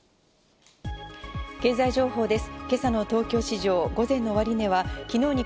経済情報です。